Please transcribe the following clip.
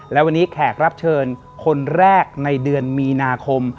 และวันนี้แขกรับเชิญคนแรกในเดือนมีนาคม